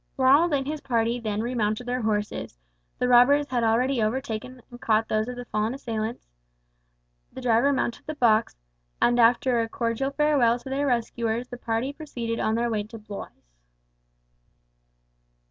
Ronald and his party then remounted their horses the robbers had already overtaken and caught those of the fallen assailants the driver mounted the box, and after a cordial farewell to their rescuers the party proceeded on their way to Blois.